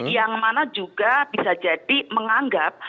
yang mana juga bisa jadi menganggap